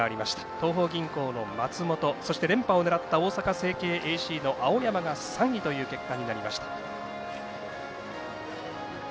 東邦銀行の松本そして連覇を狙った大阪成蹊ＡＣの青山が３位という結果。